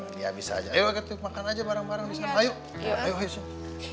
hai ya bisa aja banget makan aja bareng bareng bisa yuk yuk yuk